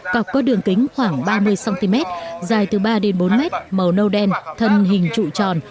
cọc có đường kính khoảng ba mươi cm dài từ ba đến bốn mét màu nâu đen thân hình trụ tròn